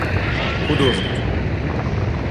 художник